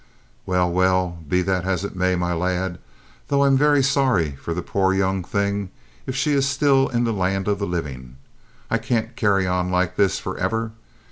"Well, well, be that as it may, my lad, though I'm very sorry for the poor young thing, if she is still in the land of the living, I can't carry on like this for ever!